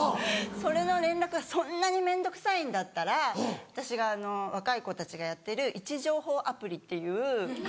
それの連絡がそんなに面倒くさいんだったら私が若い子たちがやってる位置情報アプリっていう。